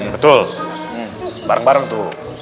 betul bareng bareng tuh